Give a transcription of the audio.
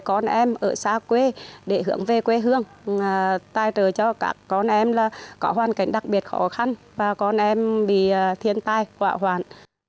con em ở xa quê để hưởng về quê hương tài trời cho các con em là có hoàn cảnh đặc biệt khó khăn và con em bị thiên tai họa hoàn